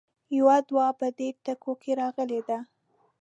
يوې دعا په دې ټکو کې راغلې ده.